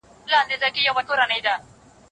قصاص د عدل د غوښتنې د پوره کولو لاره ده.